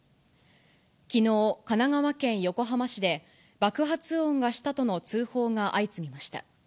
きのう、神奈川県横浜市で、爆発音がしたとの通報が相次ぎました。